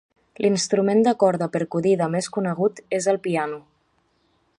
L'instrument de corda percudida més conegut és el piano.